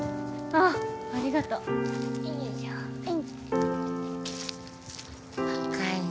あっありがとうよいしょっ海